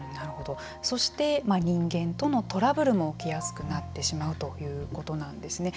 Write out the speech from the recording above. そして、人間とのトラブルも起きやすくなってしまうということなんですね。